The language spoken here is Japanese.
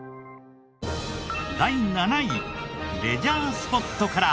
第７位レジャースポットから。